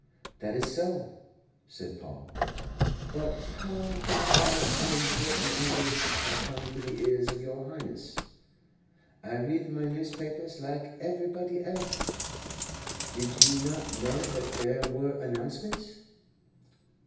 "That is so," said Paul; "but how can my unimportant engagements have come to the ears of Your Highness?" "I read my newspapers like everybody else. Did you not know that there were announcements?"